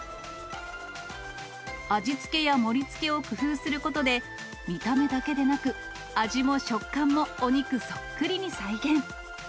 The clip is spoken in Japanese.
味付けや盛りつけを工夫することで、見た目だけでなく、味も食感もお肉そっくりに再現。